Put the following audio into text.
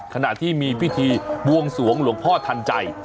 ขณะที่มีพิธีบวงสวงหลวงพ่อทันใจ